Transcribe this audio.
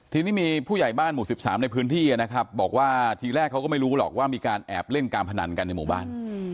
ทีนี้มีผู้ใหญ่บ้านหมู่๑๓ในพื้นที่นะครับบอกว่าทีแรกเขาก็ไม่รู้หรอกว่ามีการแอบเล่นการพนันกันในหมู่บ้าน